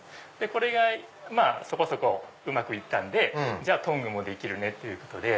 これがまぁそこそこうまく行ったんでトングもできるねっていうことで。